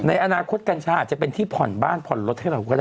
ในอนาคตกัญชาอาจจะเป็นที่ผ่อนบ้านผ่อนรถให้เราก็ได้